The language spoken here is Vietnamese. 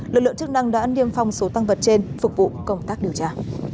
lực lượng chức năng đã niêm phong số tăng vật trên phục vụ công tác điều tra